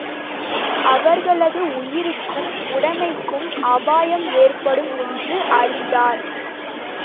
அவர்களது உயிருக்கும் உடைமைக்கும் அபாயம் ஏற்படும் என்றும் அறிந்தார்!